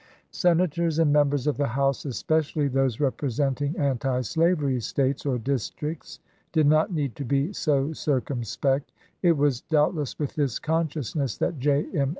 Senators and Members of the House, especially those representing antislavery States or districts, did not need to be so circumspect. It was doubt less with this consciousness that J. M.